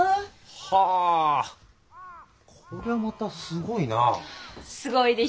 はあこりゃまたすごいな。